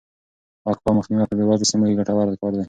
وقفه او مخنیوی په بې وزله سیمو کې ګټور کار دی.